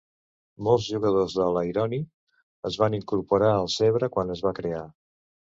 Molts jugadors de l'Aironi es van incorporar al Zebre quan es va crear.